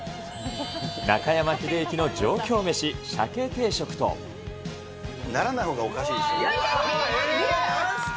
中山秀征の上京メシ、シャケならないほうがおかしいでしなんっすか？